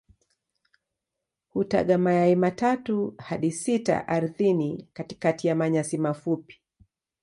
Hutaga mayai matatu hadi sita ardhini katikati ya manyasi mafupi.